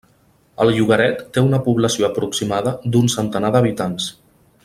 El llogaret té una població aproximada d'un centenar d'habitants.